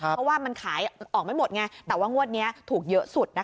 เพราะว่ามันขายออกไม่หมดไงแต่ว่างวดนี้ถูกเยอะสุดนะคะ